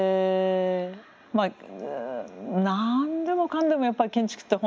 何でもかんでもやっぱり建築って